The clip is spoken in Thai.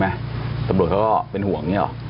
ใช่ไหมตำรวจเขาก็เป็นห่วงนี่หรอ